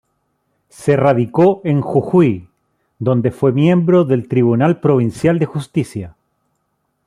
Se radicó en Jujuy, donde fue miembro del tribunal provincial de justicia.